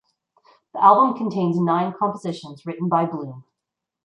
The album contains nine compositions written by Bloom.